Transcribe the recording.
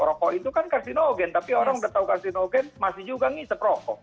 rokok itu kan karsinogen tapi orang sudah tahu karsinogen masih juga ngisep rokok